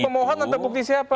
iya bukti pemohon atau bukti siapa